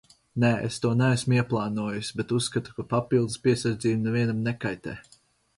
Nē, es to neesmu ieplānojusi, bet uzskatu, ka papildus piesardzība nevienam nekaitē.